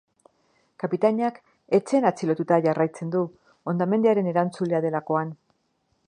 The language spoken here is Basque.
Kapitainak etxean atxilotuta jarraitzen du, hondamendiaren erantzulea delakoan.